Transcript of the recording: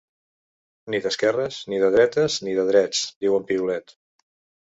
Ni d’esquerres, ni de dretes, ni de drets, diu el piulet.